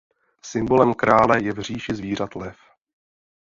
Symbolem krále je v říši zvířat lev.